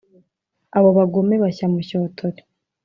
abo bagome bashya mushyotori